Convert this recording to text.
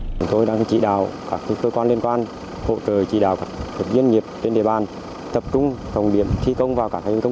điều này đã khiến cho các doanh nghiệp gặp rất nhiều khó khăn